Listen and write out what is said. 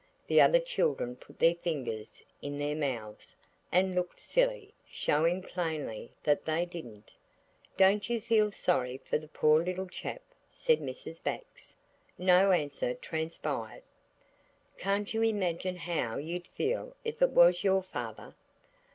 The other children put their fingers in their mouths, and looked silly, showing plainly that they didn't. "Don't you feel sorry for the poor little chap?" said Mrs. Bax. No answer transpired. "Can't you imagine how you'd feel if it was your father?"